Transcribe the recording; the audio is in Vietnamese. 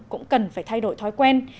cũng cần phải thay đổi thói quen